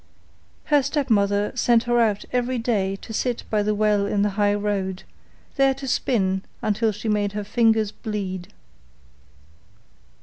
Her stepmother sent her out every day to sit by the well in the high road, there to spin until she made her fingers bleed.